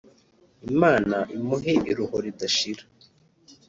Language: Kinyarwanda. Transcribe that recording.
Imana imuhe iruho ridashira